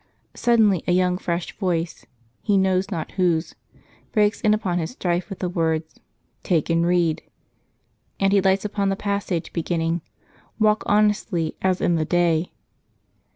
Suddenly a young fresh voice (he knows not whose) breaks in upon his strife with the words, " Take and read ;" and he lights upon the passage beginning, "Walk honestly as in the day."